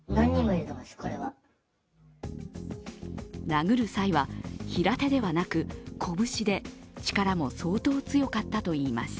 殴る際は、平手ではなく拳で力も相当、強かったといいます。